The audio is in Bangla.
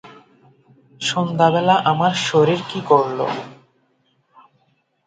সন্ধ্যাবেলা আমার শরীর কি করল?